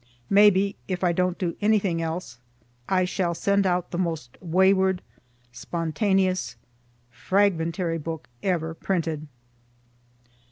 May be, if I don't do anything else, I shall send out the most wayward, spontaneous, fragmentary book ever printed.